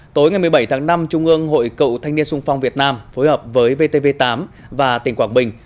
tối ngày một mươi bảy tháng năm trung ương hội cậu thanh niên sung phong việt nam phối hợp với vtv tám và tỉnh quảng bình